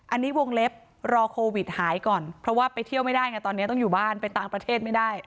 อันนี้วงเล็บรอโควิดหายก่อนเพราะว่าไปเที่ยวไม่ได้ไงตอนนี้ต้องอยู่บ้านไปต่างประเทศไม่ได้